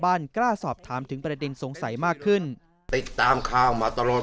กล้าสอบถามถึงประเด็นสงสัยมากขึ้นติดตามข่าวมาตลอด